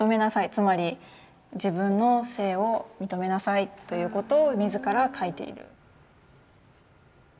つまり「自分の性を認めなさい」ということを自ら書いている。